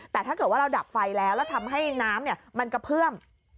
แต่ถ้าเกิดว่าเราดับไฟแล้วแล้วทำให้น้ำมันกระเพื่อม